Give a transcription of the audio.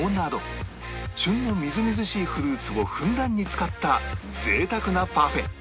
旬のみずみずしいフルーツをふんだんに使った贅沢なパフェ